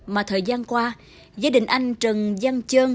mà thời gian qua gia đình anh trần văn chơn